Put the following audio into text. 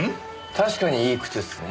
確かにいい靴ですね。